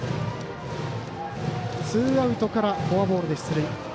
ツーアウトからフォアボールで出塁。